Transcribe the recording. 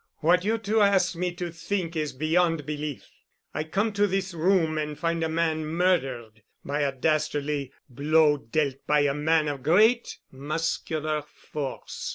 What you two ask me to think is beyond belief. I come to this room and find a man murdered by a dastardly blow dealt by a man of great muscular force."